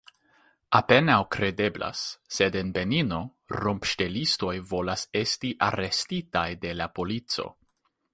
Apenaŭ kredeblas, sed en Benino rompŝtelistoj volas esti arestitaj de la polico.